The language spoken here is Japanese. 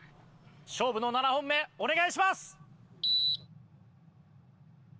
勝負の７本目お願いします。